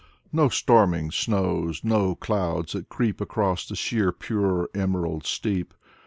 No storming snows, no clouds that creep Across the sheer pure emerald steep.